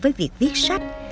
với việc viết sách